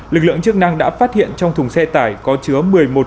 lực lượng chức năng đã phát hiện trong thùng xe tải có chứa